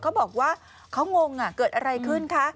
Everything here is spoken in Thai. เขาบอกว่าเขางงเกิดอะไรขึ้นคะ